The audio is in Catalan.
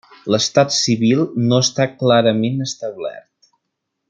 L'estat civil no està clarament establert.